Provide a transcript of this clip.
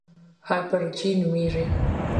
هایپرجي نومېږي.